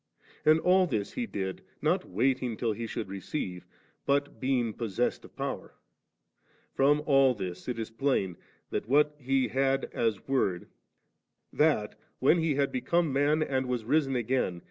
And all this He did, not waiting till He should receive, but being ' possessed of power \* From ail this it is plain that what He had as Word, that when He had become man and was risen again.